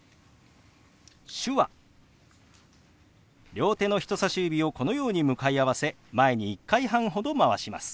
両手の人さし指をこのように向かい合わせ前に１回半ほど回します。